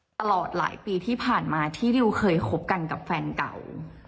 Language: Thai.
ตลอดหลายปีที่ผ่านมาที่ดิวเคยคบกันกับแฟนเก่า